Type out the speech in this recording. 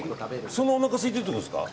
そんなおなかすいてるってことですか。